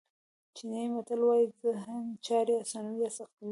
چینایي متل وایي ذهن چارې آسانوي یا سختوي.